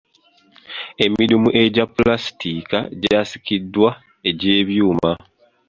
Emidumu egya pulasitika gyasikiziddwa egy'ebyuma.